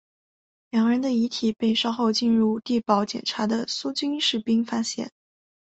两人的遗体被稍后进入地堡检查的苏军士兵发现。